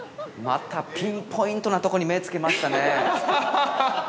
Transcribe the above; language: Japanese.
◆またピンポイントなところに目をつけましたね。